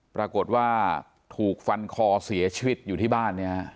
ปรากฏว่าถูกฟันคอเสียชีวิตอยู่ที่บ้านเนี่ยฮะ